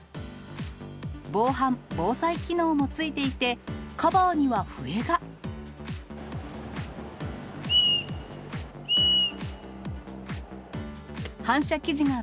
防犯、防災機能もついていて、カバーには笛が。